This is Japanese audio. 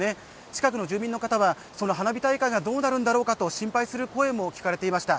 近くの住民の方はその花火大会がどうなるんだろうと心配する声も聞かれていました。